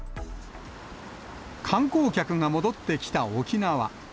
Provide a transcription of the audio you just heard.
観光客が戻ってきた沖縄。